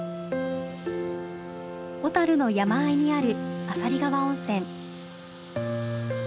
小樽の山あいにある朝里川温泉。